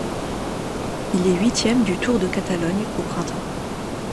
Il est huitième du Tour de Catalogne au printemps.